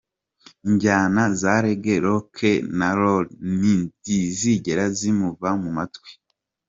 Injyana za Reggae, Rock n Roll ntizizigera zimuva mu matwi.